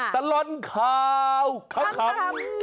ตลอดข่าวขำ